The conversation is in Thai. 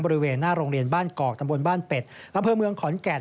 บริเวณหน้าโรงเรียนบ้านกอกตำบลบ้านเป็ดอำเภอเมืองขอนแก่น